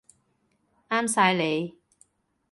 啱晒你